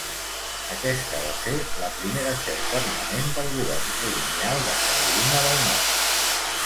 Aquesta va ser la primera seu permanent del govern colonial de Carolina del Nord.